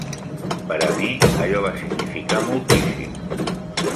Per a mi, allò va significar moltíssim.